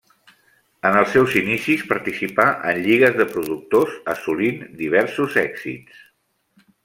En els seus inicis participà en lligues de productors, assolint diversos èxits.